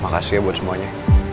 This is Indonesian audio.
makasih ya buat semuanya